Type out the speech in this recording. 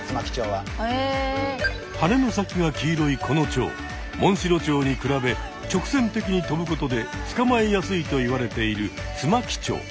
はねの先が黄色いこのチョウモンシロチョウに比べ直線的に飛ぶことでつかまえやすいといわれているツマキチョウ。